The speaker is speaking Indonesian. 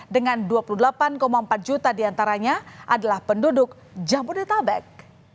dengan dua puluh delapan empat juta diantaranya adalah penduduk jabodetabek